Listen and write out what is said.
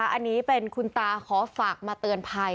อันนี้เป็นคุณตาขอฝากมาเตือนภัย